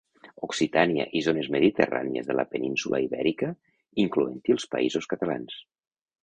Occitània i zones mediterrànies de la península Ibèrica, incloent-hi els Països Catalans.